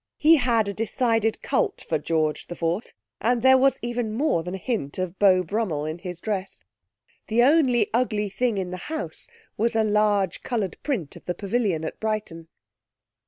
He had a decided cult for George IV; and there was even more than a hint of Beau Brummel in his dress. The only ugly thing in the house was a large coloured print of the pavilion at Brighton.